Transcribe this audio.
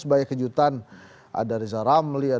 sebagian kejutan ada riza ramli